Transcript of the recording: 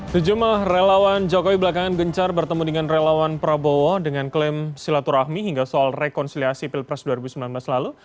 sejumlah relawan jokowi belakangan gencar bertemu dengan relawan prabowo dengan klaim silaturahmi hingga soal rekonsiliasi pilpres dua ribu sembilan belas lalu